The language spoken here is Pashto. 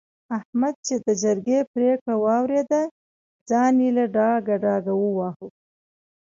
احمد چې د جرګې پرېکړه واورېده؛ ځان يې له ډاګه ډاګه وواهه.